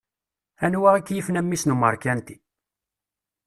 Anwa i k-yifen a mmi-s n umeṛkanti?